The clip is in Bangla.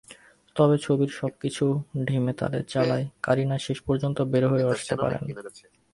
তবে ছবির সবকিছু ঢিমেতালে চলায় কারিনা শেষ পর্যন্ত বের হয়েও আসতে পারেন।